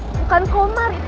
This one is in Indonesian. bukan komar itu mah